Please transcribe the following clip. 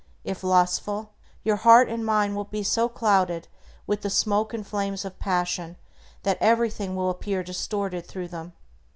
If lustful, your heart and mind will be so clouded with the smoke and flames of passion, that everything will appear distorted through them.